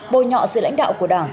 bôi nhọ sự lãnh đạo của đảng